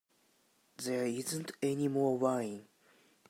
There isn't any more wine.